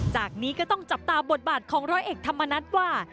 จากนี้ก็ต้องจับตาบทบาทของร้อยเอกธรรมนัฐว่า